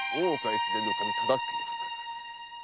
越前守忠相でござる。